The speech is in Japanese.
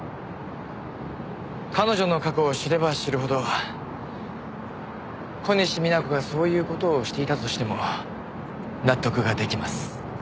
彼女の過去を知れば知るほど小西皆子がそういう事をしていたとしても納得が出来ます。